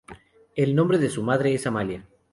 El nombre de su madre es Amalia.